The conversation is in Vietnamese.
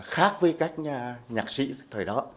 khác với các nhạc sĩ thời đó